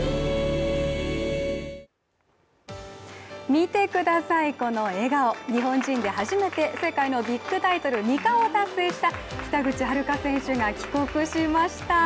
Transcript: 見てください、この笑顔、日本人で初めて世界のビッグタイトル２冠を達成した北口榛花選手が帰国しました。